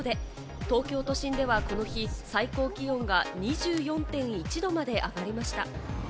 東京都心ではこの日、最高気温が２４．１度まで上がりました。